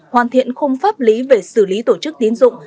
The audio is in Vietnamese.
hoàn thiện không pháp lý về xử lý tổ chức tín dụng